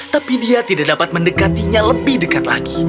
tapi dia tidak dapat mendekatinya lebih dekat lagi